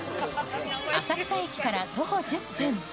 浅草駅から徒歩１０分。